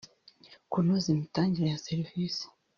kunoza imitangire ya serivisi